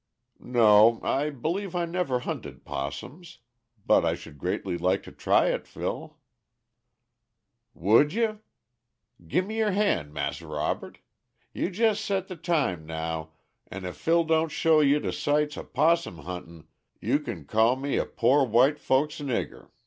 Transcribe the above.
"No; I believe I never hunted opossums, but I should greatly like to try it, Phil." "Would ye? Gim me yer han' Mas' Robert. You jes set de time now, and if Phil don't show you de sights o' 'possum huntin' you ken call me a po' white folkses nigger.